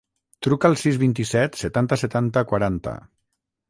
Truca al sis, vint-i-set, setanta, setanta, quaranta.